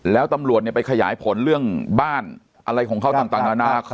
แล้วตำรวจไปขยายผลเรื่องบ้านอะไรของเขาต่างนานา